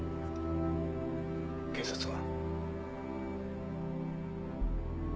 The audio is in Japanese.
警察は。